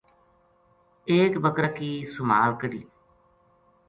ایک بکر ا کی سُمہال کَڈھی